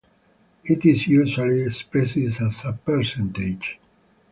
It is usually expressed as a percentage.